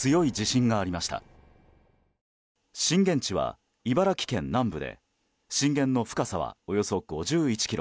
震源地は茨城県南部で震源の深さはおよそ